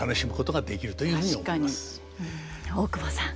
大久保さん